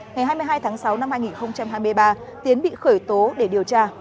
ngày hai mươi hai tháng sáu năm hai nghìn hai mươi ba tiến bị khởi tố để điều tra